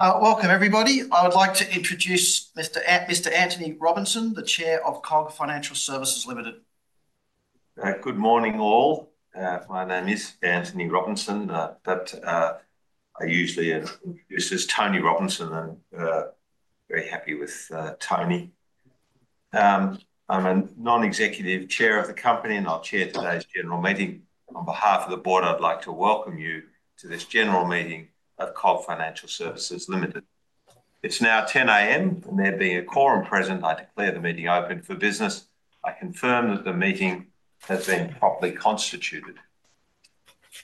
Welcome, everybody. I would like to introduce Mr. Anthony Robinson, the Chair of COG Financial Services Limited. Good morning, all. My name is Anthony Robinson. But I usually introduce as Tony Robinson, and I'm very happy with Tony. I'm a Non-Executive Chair of the company, and I'll chair today's general meeting. On behalf of the board, I'd like to welcome you to this general meeting of COG Financial Services Limited. It's now 10:00 A.M., and there being a quorum present, I declare the meeting open for business. I confirm that the meeting has been properly constituted.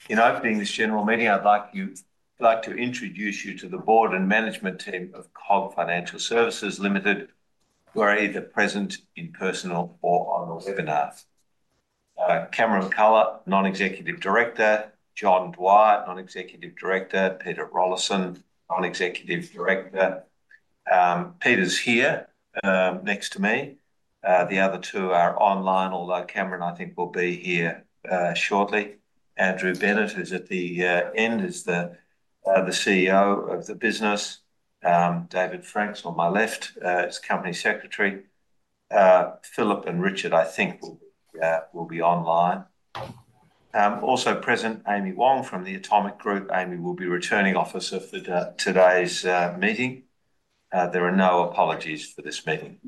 In opening this general meeting, I'd like to introduce you to the board and management team of COG Financial Services Limited, who are either present in person or on the webinar. Cameron Collar, Non-Executive Director; John Dwyer, Non-Executive Director; Peter Rollason, Non-Executive Director. Peter's here next to me. The other two are online, although Cameron, I think, will be here shortly. Andrew Bennett, who's at the end, is the CEO of the business. David Franks on my left is Company Secretary. Philip and Richard, I think, will be online. Also present, Amy Wong from the Atomic Group. Amy will be Returning Officer for today's meeting. There are no apologies for this meeting.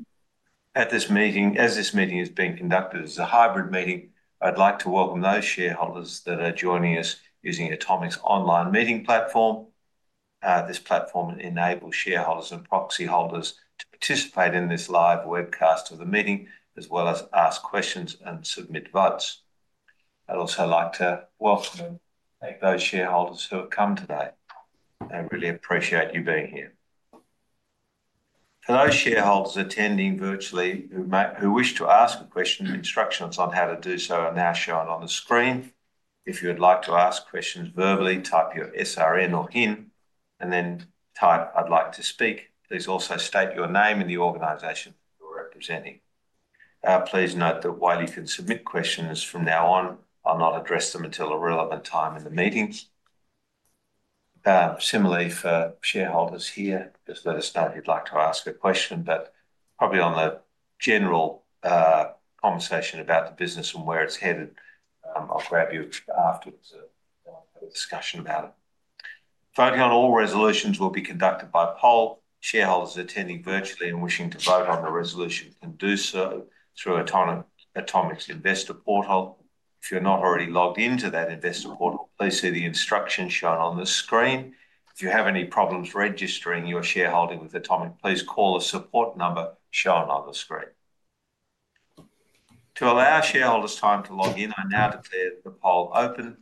As this meeting is being conducted, it's a hybrid meeting. I'd like to welcome those shareholders that are joining us using Atomic's online meeting platform. This platform enables shareholders and proxy holders to participate in this live webcast of the meeting, as well as ask questions and submit votes. I'd also like to welcome and thank those shareholders who have come today. I really appreciate you being here. For those shareholders attending virtually who wish to ask a question, instructions on how to do so are now shown on the screen. If you would like to ask questions verbally, type your SRN or HIN, and then type "I'd like to speak." Please also state your name and the organization you're representing. Please note that while you can submit questions from now on, I'll not address them until a relevant time in the meeting. Similarly, for shareholders here, just let us know if you'd like to ask a question, but probably on the general conversation about the business and where it's headed, I'll grab you afterwards to have a discussion about it. Voting on all resolutions will be conducted by poll. Shareholders attending virtually and wishing to vote on the resolution can do so through Atomic's Investor Portal. If you're not already logged into that Investor Portal, please see the instructions shown on the screen. If you have any problems registering your shareholding with Atomic, please call the support number shown on the screen. To allow shareholders time to log in, I now declare the poll open.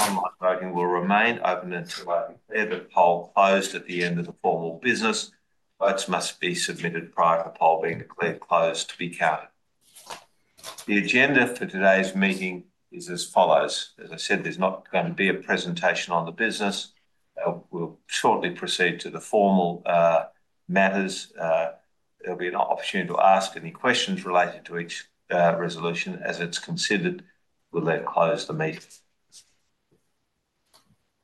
Online voting will remain open until I declare the poll closed at the end of the formal business. Votes must be submitted prior to the poll being declared closed to be counted. The agenda for today's meeting is as follows. As I said, there's not going to be a presentation on the business. We'll shortly proceed to the formal matters. There'll be an opportunity to ask any questions related to each resolution as it's considered. We'll then close the meeting.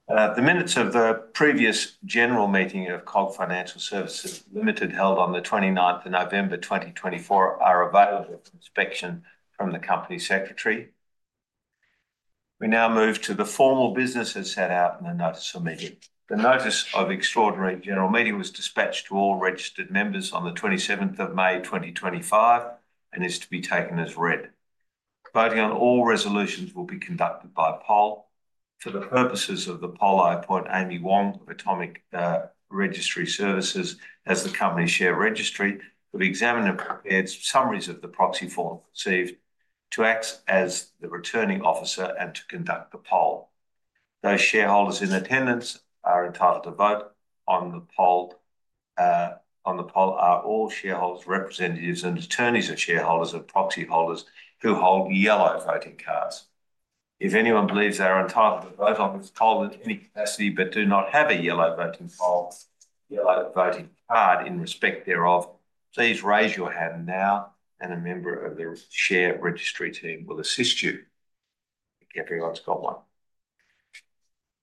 The minutes of the previous general meeting of COG Financial Services Limited, held on the 29th of November 2024, are available for inspection from the company secretary. We now move to the formal business as set out in the notice of meeting. The notice of extraordinary general meeting was dispatched to all registered members on the 27th of May 2025 and is to be taken as read. Voting on all resolutions will be conducted by poll. For the purposes of the poll, I appoint Amy Wong of Atomic Registry Services as the company share registry. We've examined and prepared summaries of the proxy form received to act as the returning officer and to conduct the poll. Those shareholders in attendance are entitled to vote on the poll. On the poll are all shareholders, representatives, and attorneys of shareholders and proxy holders who hold yellow voting cards. If anyone believes they are entitled to vote on this poll in any capacity but do not have a yellow voting card in respect thereof, please raise your hand now, and a member of the share registry team will assist you. I think everyone's got one.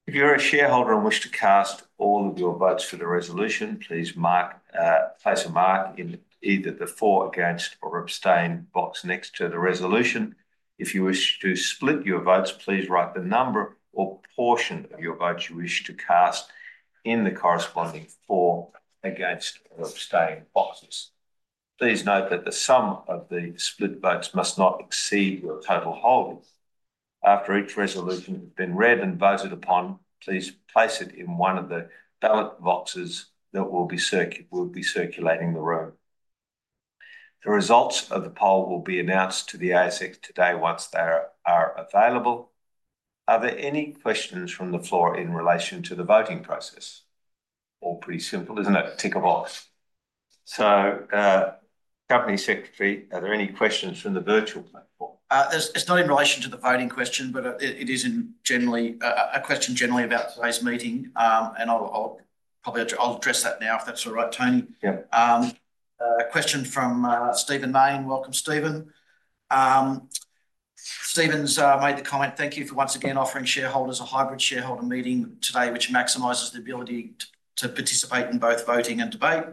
If you're a shareholder and wish to cast all of your votes for the resolution, please place a mark in either the for, against, or abstain box next to the resolution. If you wish to split your votes, please write the number or portion of your votes you wish to cast in the corresponding for, against, or abstain boxes. Please note that the sum of the split votes must not exceed your total hold. After each resolution has been read and voted upon, please place it in one of the ballot boxes that will be circulating the room. The results of the poll will be announced to the ASX today once they are available. Are there any questions from the floor in relation to the voting process? All pretty simple, isn't it? Tick a box. Company Secretary, are there any questions from the virtual platform? It's not in relation to the voting question, but it is generally a question generally about today's meeting, and I'll probably address that now, if that's all right, Tony. Yeah. Question from Stephen Main. Welcome, Stephen. Stephen's made the comment, "Thank you for once again offering shareholders a hybrid shareholder meeting today, which maximizes the ability to participate in both voting and debate.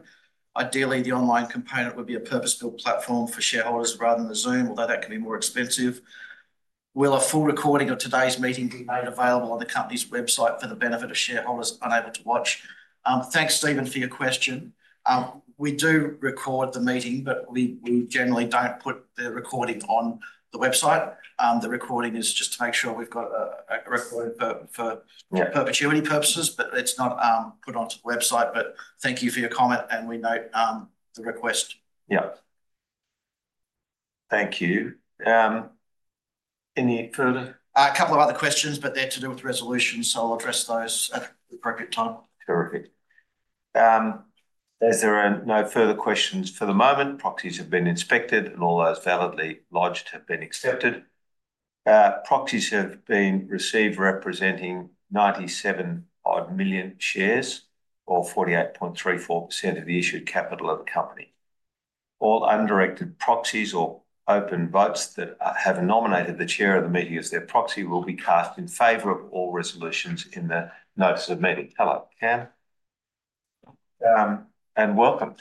Ideally, the online component would be a purpose-built platform for shareholders rather than the Zoom, although that can be more expensive. Will a full recording of today's meeting be made available on the company's website for the benefit of shareholders unable to watch?" Thanks, Stephen, for your question. We do record the meeting, but we generally do not put the recording on the website. The recording is just to make sure we have got a recording for perpetuity purposes, but it is not put onto the website. Thank you for your comment, and we note the request. Yeah. Thank you. Any further? A couple of other questions, but they're to do with resolutions, so I'll address those at the appropriate time. Terrific. There are no further questions for the moment. Proxies have been inspected, and all those validly lodged have been accepted. Proxies have been received representing 97 million shares, or 48.34% of the issued capital of the company. All undirected proxies or open votes that have nominated the chair of the meeting as their proxy will be cast in favor of all resolutions in the notice of meeting. Hello, Cam. And welcome.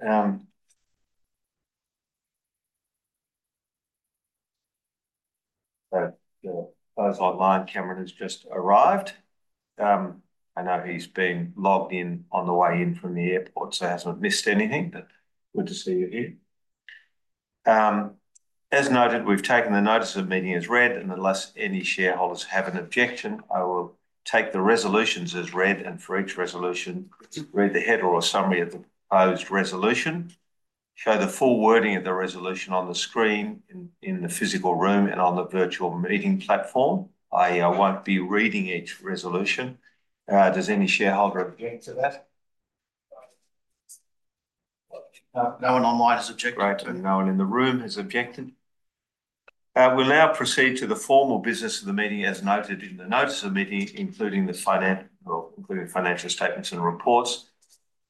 So the online Cameron has just arrived. I know he's been logged in on the way in from the airport, so he hasn't missed anything, but good to see you here. As noted, we've taken the notice of meeting as read, and unless any shareholders have an objection, I will take the resolutions as read, and for each resolution, read the head or a summary of the proposed resolution. Show the full wording of the resolution on the screen in the physical room and on the virtual meeting platform. I won't be reading each resolution. Does any shareholder object to that? No one online has objected. Great. No one in the room has objected. We'll now proceed to the formal business of the meeting as noted in the notice of meeting, including the financial statements and reports.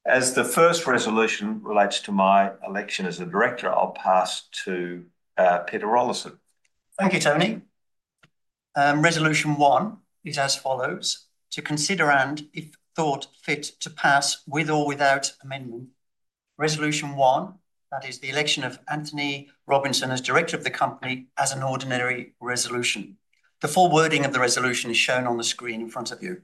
As the first resolution relates to my election as a director, I'll pass to Peter Rollason. Thank you, Tony. Resolution one is as follows: to consider and, if thought fit, to pass with or without amendment. Resolution one, that is the election of Anthony Robinson as director of the company as an ordinary resolution. The full wording of the resolution is shown on the screen in front of you.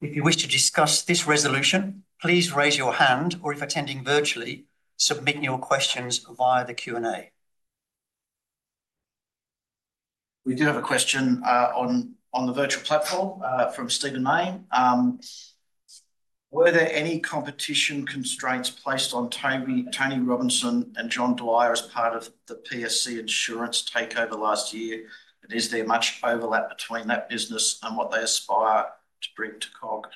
If you wish to discuss this resolution, please raise your hand, or if attending virtually, submit your questions via the Q&A. We do have a question on the virtual platform from Stephen Main. Were there any competition constraints placed on Tony Robinson and John Dwyer as part of the PSC Insurance takeover last year? Is there much overlap between that business and what they aspire to bring to COG?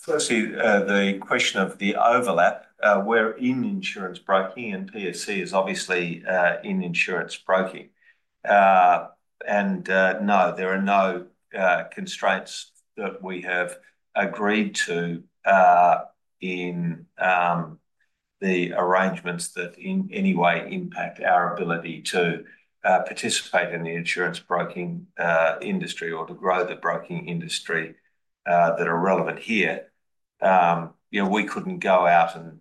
Firstly, the question of the overlap, we're in insurance broking, and PSC is obviously in insurance broking. No, there are no constraints that we have agreed to in the arrangements that in any way impact our ability to participate in the insurance broking industry or to grow the broking industry that are relevant here. We couldn't go out and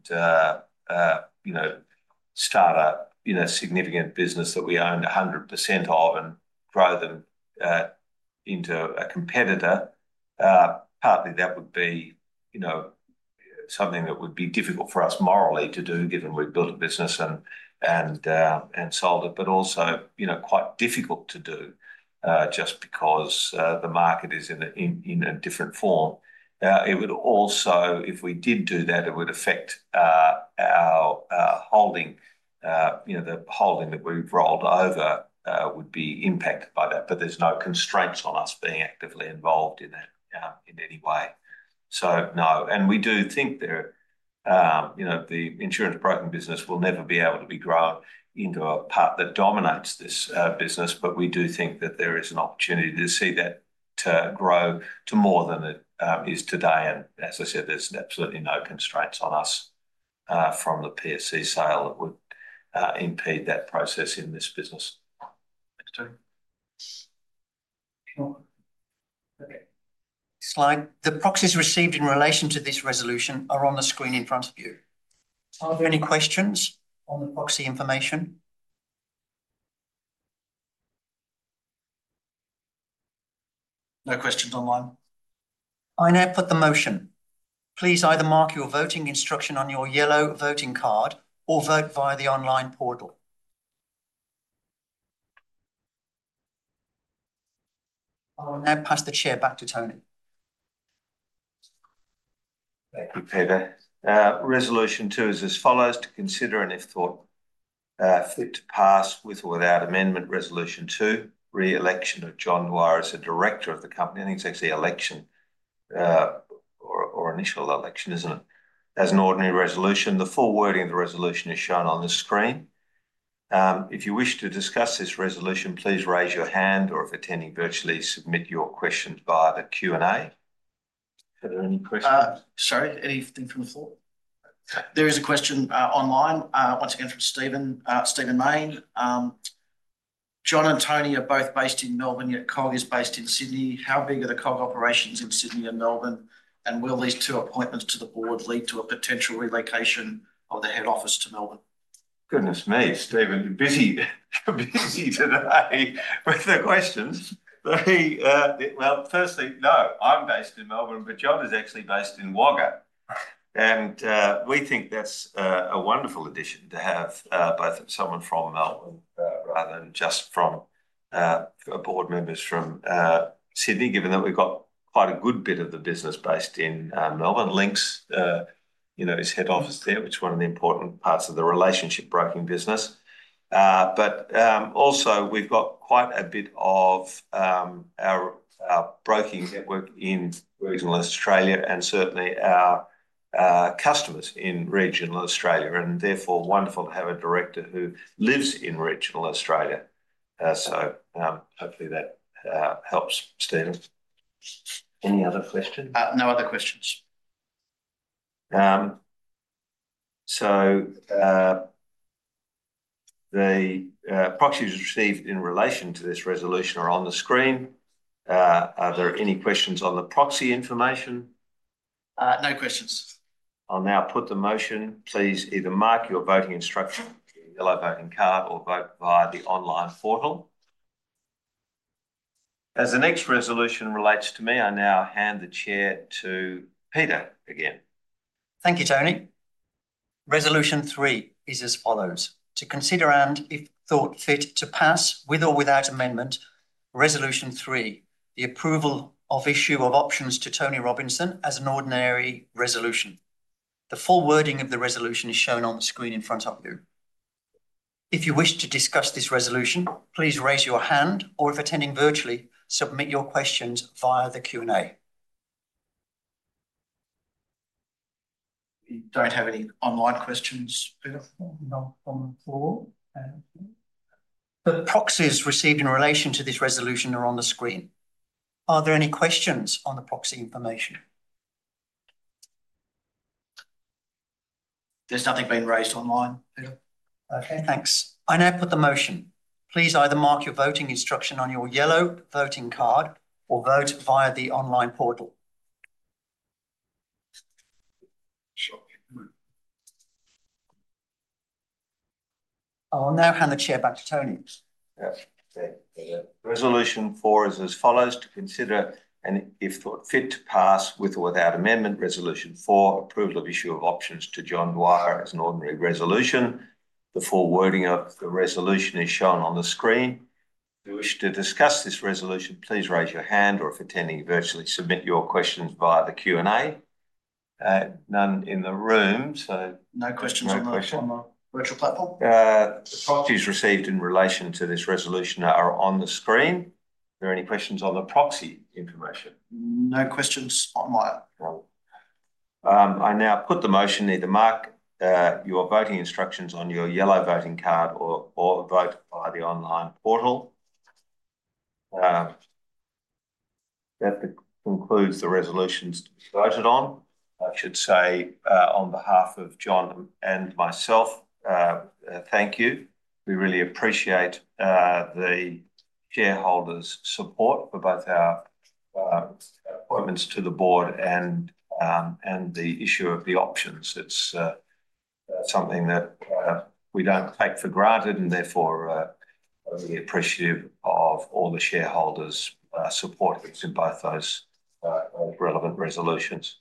start a significant business that we owned 100% of and grow them into a competitor. Partly, that would be something that would be difficult for us morally to do, given we've built a business and sold it, but also quite difficult to do just because the market is in a different form. It would also, if we did do that, affect our holding. The holding that we've rolled over would be impacted by that, but there's no constraints on us being actively involved in that in any way. No. We do think the insurance broking business will never be able to be grown into a part that dominates this business, but we do think that there is an opportunity to see that grow to more than it is today. As I said, there's absolutely no constraints on us from the PSC sale that would impede that process in this business. Thanks, Tony. Okay. Slide. The proxies received in relation to this resolution are on the screen in front of you. Are there any questions on the proxy information? No questions online. I now put the motion. Please either mark your voting instruction on your yellow voting card or vote via the online portal. I will now pass the chair back to Tony. Thank you, Peter. Resolution two is as follows: to consider and, if thought fit, to pass with or without amendment. Resolution two, re-election of John Dwyer as a director of the company. I think it's actually election or initial election, isn't it? As an ordinary resolution, the full wording of the resolution is shown on the screen. If you wish to discuss this resolution, please raise your hand, or if attending virtually, submit your questions via the Q&A. Are there any questions? Sorry. Anything from the floor? There is a question online, once again from Stephen Main. John and Tony are both based in Melbourne, yet COG is based in Sydney. How big are the COG operations in Sydney and Melbourne? Will these two appointments to the board lead to a potential relocation of the head office to Melbourne? Goodness me, Stephen, you're busy today with the questions. Firstly, no, I'm based in Melbourne, but John is actually based in Wagga. We think that's a wonderful addition to have both someone from Melbourne rather than just from board members from Sydney, given that we've got quite a good bit of the business based in Melbourne. Lynx is head office there, which is one of the important parts of the relationship broking business. Also, we've got quite a bit of our broking network in regional Australia and certainly our customers in regional Australia. Therefore, wonderful to have a director who lives in regional Australia. Hopefully that helps, Stephen. Any other questions? No other questions. The proxies received in relation to this resolution are on the screen. Are there any questions on the proxy information? No questions. I'll now put the motion. Please either mark your voting instruction on your yellow voting card or vote via the online portal. As the next resolution relates to me, I now hand the chair to Peter again. Thank you, Tony. Resolution three is as follows: to consider and, if thought fit, to pass with or without amendment. Resolution three, the approval of issue of options to Tony Robinson as an ordinary resolution. The full wording of the resolution is shown on the screen in front of you. If you wish to discuss this resolution, please raise your hand, or if attending virtually, submit your questions via the Q&A. We don't have any online questions, Peter. No problem at all. The proxies received in relation to this resolution are on the screen. Are there any questions on the proxy information? There's nothing being raised online, Peter. Okay, thanks. I now put the motion. Please either mark your voting instruction on your yellow voting card or vote via the online portal. I'll now hand the chair back to Tony. Resolution four is as follows: to consider and, if thought fit, to pass with or without amendment. Resolution four, approval of issue of options to John Dwyer as an ordinary resolution. The full wording of the resolution is shown on the screen. If you wish to discuss this resolution, please raise your hand, or if attending virtually, submit your questions via the Q&A. None in the room, so. No questions on the virtual platform. The proxies received in relation to this resolution are on the screen. Are there any questions on the proxy information? No questions online. I now put the motion. Either mark your voting instructions on your yellow voting card or vote via the online portal. That concludes the resolutions voted on. I should say, on behalf of John and myself, thank you. We really appreciate the shareholders' support for both our appointments to the board and the issue of the options. It's something that we don't take for granted, and therefore, we're appreciative of all the shareholders' support in both those relevant resolutions.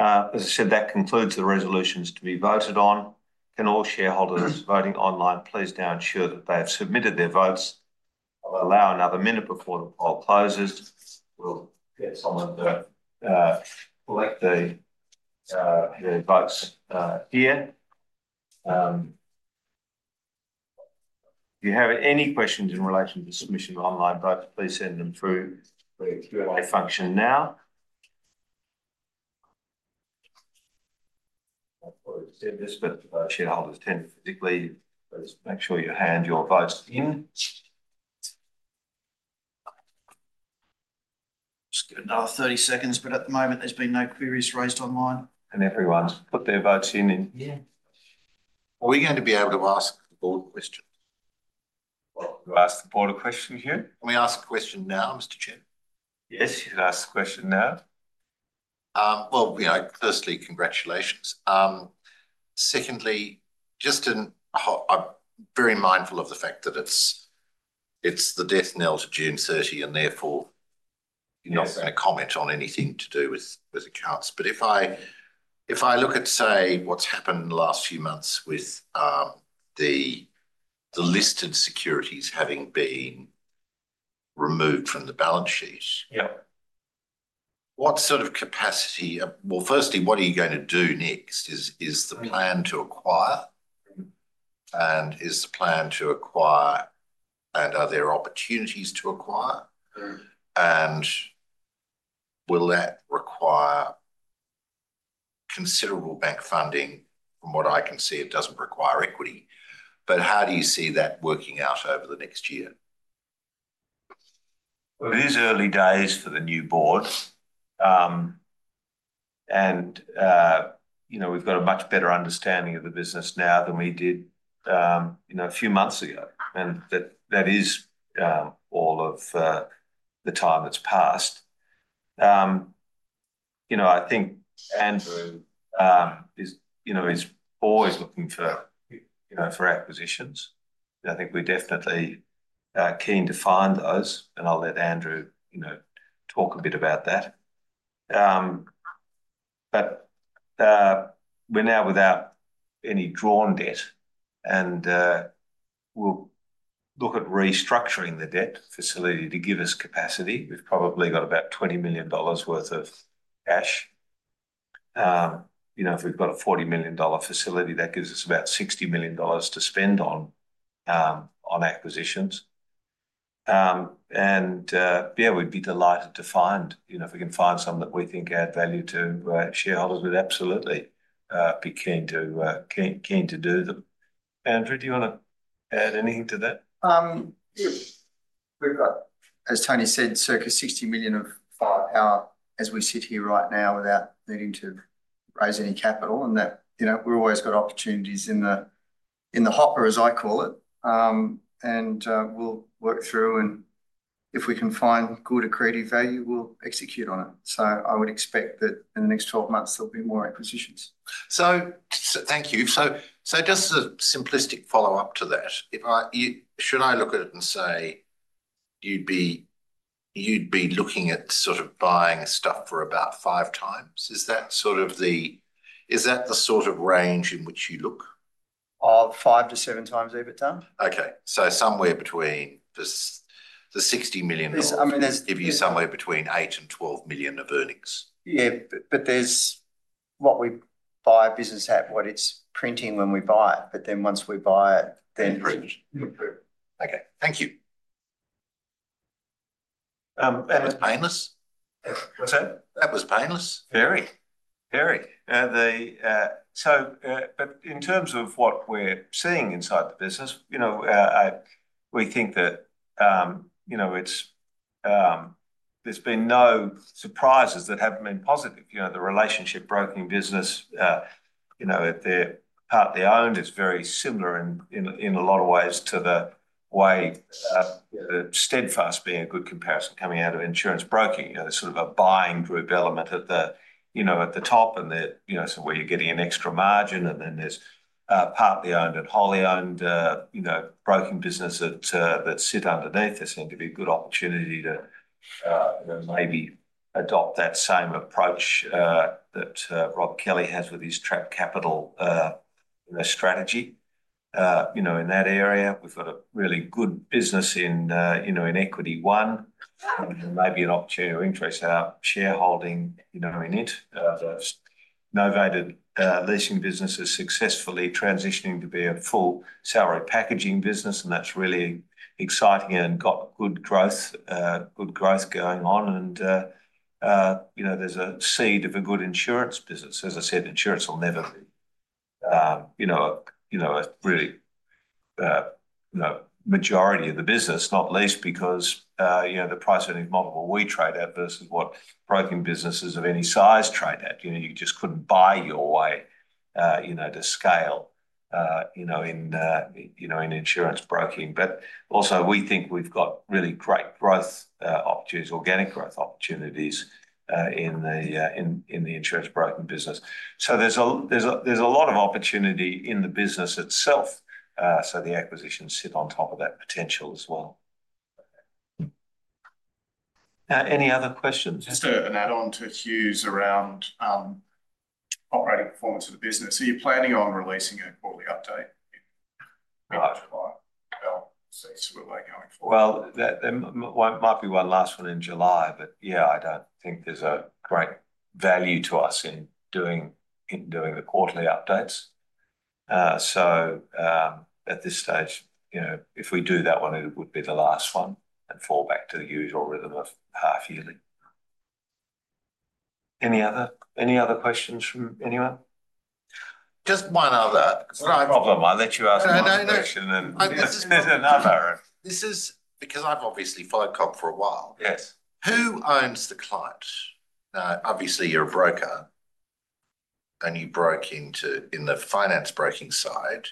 As I said, that concludes the resolutions to be voted on. Can all shareholders voting online please now ensure that they have submitted their votes? I'll allow another minute before the poll closes. We'll get someone to collect the votes here. If you have any questions in relation to submission of online votes, please send them through the Q&A function now. I've already said this, but shareholders tend to physically make sure you hand your votes in. It's good. Another 30 seconds, but at the moment, there's been no queries raised online. Can everyone put their votes in? Yeah. Are we going to be able to ask the board a question? Can we ask the board a question here? Can we ask a question now, Mr. Chair? Yes, you can ask the question now. Firstly, congratulations. Secondly, just very mindful of the fact that it's the death knell to June 30, and therefore, you're not going to comment on anything to do with accounts. If I look at, say, what's happened in the last few months with the listed securities having been removed from the balance sheet, what sort of capacity? Firstly, what are you going to do next? Is the plan to acquire? Is the plan to acquire, and are there opportunities to acquire? Will that require considerable bank funding? From what I can see, it doesn't require equity. How do you see that working out over the next year? It is early days for the new board. We have a much better understanding of the business now than we did a few months ago, and that is all of the time that has passed. I think Andrew is always looking for acquisitions. I think we are definitely keen to find those, and I will let Andrew talk a bit about that. We are now without any drawn debt, and we will look at restructuring the debt facility to give us capacity. We have probably got about $20 million worth of cash. If we have a $40 million facility, that gives us about $60 million to spend on acquisitions. We would be delighted to find, if we can find some that we think add value to shareholders, we would absolutely be keen to do them. Andrew, do you want to add anything to that? We've got, as Tony said, circa $60 million of our power as we sit here right now without needing to raise any capital. We've always got opportunities in the hopper, as I call it. We'll work through, and if we can find good accrediting value, we'll execute on it. I would expect that in the next 12 months, there'll be more acquisitions. Thank you. Just a simplistic follow-up to that. Should I look at it and say you'd be looking at sort of buying stuff for about 5x? Is that the sort of range in which you look? 5-7x over time. Okay. Somewhere between the $60 million gives you somewhere between $8 million and $12 million of earnings. Yeah, but there's what we buy a business at, what it's printing when we buy it. But then once we buy it, then. Improved. Okay. Thank you. That was painless. What's that? That was painless. Very. But in terms of what we're seeing inside the business, we think that there's been no surprises that haven't been positive. The relationship broking business, at their part, they owned, is very similar in a lot of ways to the way the Steadfast being a good comparison coming out of insurance broking. There's sort of a buying group element at the top where you're getting an extra margin. Then there's partly owned and wholly owned broking business that sit underneath. There seem to be a good opportunity to maybe adopt that same approach that Rob Kelly has with his track capital strategy in that area. We've got a really good business in Equity One, maybe an opportunity to increase our shareholding in it. There's a novated leasing business that's successfully transitioning to be a full salary packaging business, and that's really exciting and got good growth going on. There's a seed of a good insurance business. As I said, insurance will never be a really majority of the business, not least because the price earnings model we trade at versus what broking businesses of any size trade at. You just could not buy your way to scale in insurance broking. Also, we think we've got really great growth opportunities, organic growth opportunities in the insurance broking business. There's a lot of opportunity in the business itself. The acquisitions sit on top of that potential as well. Any other questions? Just an add-on to Hugh's around operating performance of the business. Are you planning on releasing a quarterly update in July, August, September? There might be one last one in July, but yeah, I do not think there is a great value to us in doing the quarterly updates. At this stage, if we do that one, it would be the last one and fall back to the usual rhythm of half yearly. Any other questions from anyone? Just one other. No problem. I'll let you ask the next question. There's another. This is because I've obviously followed COG for a while. Who owns the client? Obviously, you're a broker, and you broke into the finance broking side,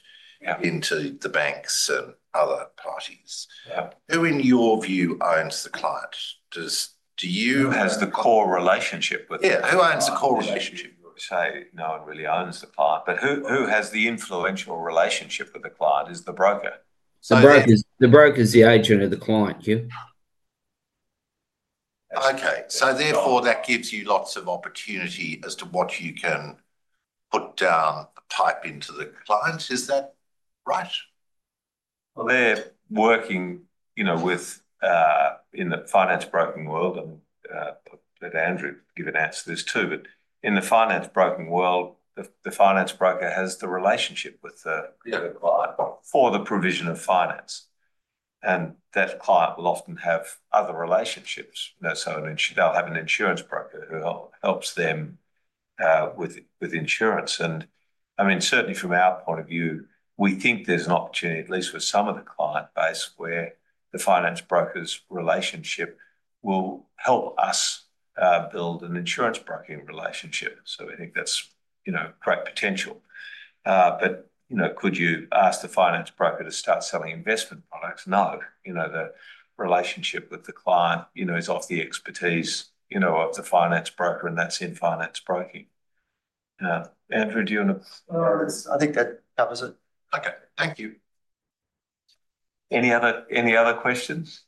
into the banks and other parties. Who in your view owns the client? Do you? Who has the core relationship with the client? Yeah. Who owns the core relationship? I would say no one really owns the client. Who has the influential relationship with the client is the broker. The broker is the agent of the client, Hugh. Okay. Therefore, that gives you lots of opportunity as to what you can put down the pipe into the clients. Is that right? They are working within the finance broking world, and I will let Andrew give an answer to this too. In the finance broking world, the finance broker has the relationship with the client for the provision of finance. That client will often have other relationships. They will have an insurance broker who helps them with insurance. I mean, certainly from our point of view, we think there is an opportunity, at least for some of the client base, where the finance broker's relationship will help us build an insurance broking relationship. We think that is great potential. Could you ask the finance broker to start selling investment products? No. The relationship with the client is off the expertise of the finance broker, and that is in finance broking. Andrew, do you want to? I think that covers it. Okay. Thank you. Any other questions?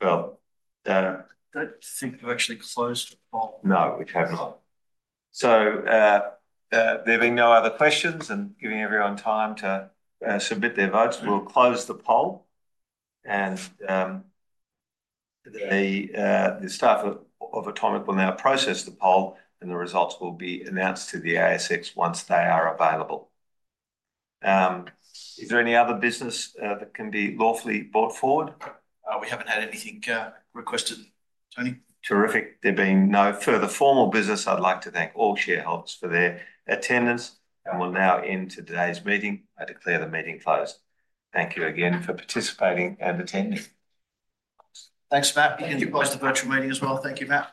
Well. I think we've actually closed the poll. No, we have not. There being no other questions and giving everyone time to submit their votes, we'll close the poll. The staff of Atomic will now process the poll, and the results will be announced to the ASX once they are available. Is there any other business that can be lawfully brought forward? We haven't had anything requested, Tony. Terrific. There being no further formal business, I'd like to thank all shareholders for their attendance. We'll now end today's meeting. I declare the meeting closed. Thank you again for participating and attending. Thanks, Matt. You can close the virtual meeting as well. Thank you, Matt.